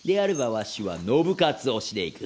ワシは信雄推しでいく。